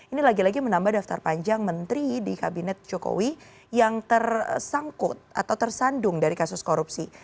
ini lagi lagi menambah daftar panjang menteri di kabinet jokowi yang tersangkut atau tersandung dari kasus korupsi